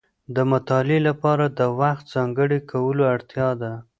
د مطالعې لپاره د وخت ځانګړی کولو اړتیا ده.